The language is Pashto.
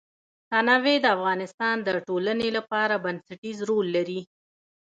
تنوع د افغانستان د ټولنې لپاره بنسټيز رول لري.